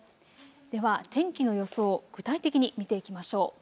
では天気の予想を具体的に見ていきましょう。